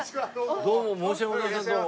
申し訳ございませんどうも。